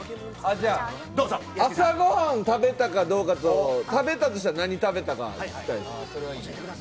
じゃあ、朝ごはん食べたかどうか、食べたとしたら何食べたか聞きたいですね。